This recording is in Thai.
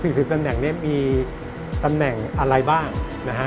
ผิดสนิทตำแหน่งเนี่ยมีตำแหน่งอะไรบ้าง